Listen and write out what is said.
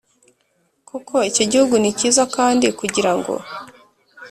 koko icyo gihugu ni cyiza Kandi kugira ngo